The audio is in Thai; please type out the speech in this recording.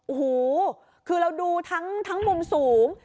โอ้โหคือเราดูทั้งมุมสูง